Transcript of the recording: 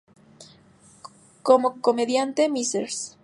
Como comediante, Mr.